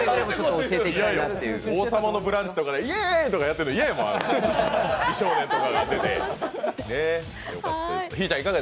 「王様のブランチ」とかでイエ！とかやってるの嫌やもん。